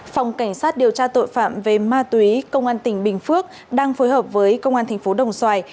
phòng cảnh sát điều tra tội phạm về ma túy công an tỉnh bình phước đang phối hợp với công an thành phố đồng xoài